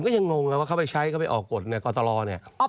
ยังงงไงว่าเขาไปใช้เขาไปออกกฎในกรตรอเนี่ย